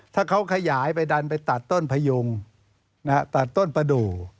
ถ้าเขาขยายไปดันไปตัดต้นพยุงตัดต้นประดูก